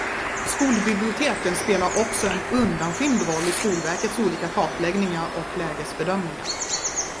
Skolbiblioteken spelar också en undanskymd roll i Skolverkets olika kartläggningar och lägesbedömningar.